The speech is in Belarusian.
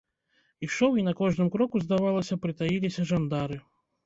Ішоў і на кожным кроку, здавалася, прытаіліся жандары.